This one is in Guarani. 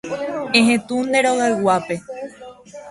Ehetũ nde rogayguápe.